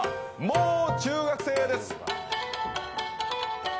もう中学生です。